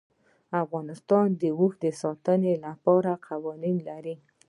افغانستان د اوښ د ساتنې لپاره قوانین لري.